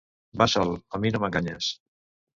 Va Sol, a mi no m'enganyes.